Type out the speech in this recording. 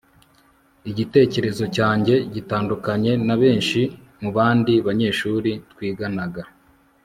igitekerezo cyanjye gitandukanye nabenshi mubandi banyeshuri twiganaga